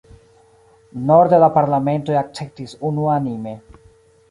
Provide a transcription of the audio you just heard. Norde la parlamentoj akceptis unuanime.